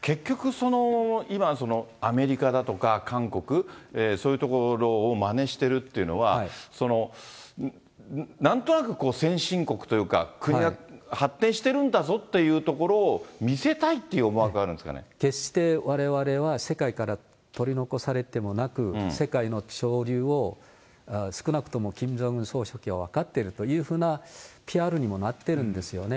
結局、今、アメリカだとか韓国、そういうところをまねしてるというのは、なんとなく先進国というか、国が発展してるんだぞというところを見せたいという思惑があるん決して、われわれは世界から取り残されてもなく、世界の潮流を少なくとも、キム・ジョンウン総書記は分かっているというふうなＰＲにもなってるんですよね。